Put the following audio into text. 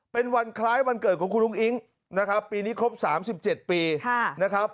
เป็นวันคล้ายวันเกิดของคุณอุ้งอิ๊งนะครับปีนี้ครบ๓๗ปีนะครับ